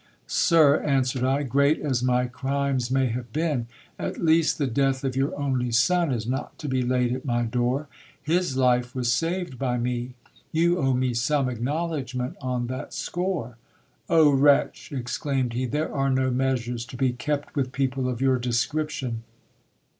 Sir, answered I, great as my crimes may have been, at least the death of your only son is not to be laid at my door. His life was saved by me ; you owe me some acknowledgment on that score. Oh ! wretch, exclaimed he, there are no measures to be kept with people of your description.